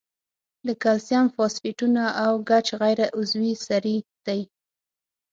د کلسیم فاسفیټونه او ګچ غیر عضوي سرې دي.